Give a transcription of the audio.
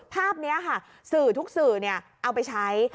ภาพนี้ค่ะสื่อทุกสื่อเอาไปใช้